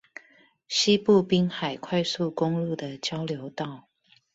西部濱海快速公路的交流道